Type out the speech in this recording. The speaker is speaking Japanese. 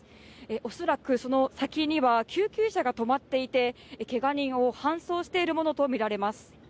恐らくその先には救急車が止まっていて、けが人を搬送しているものとみられます。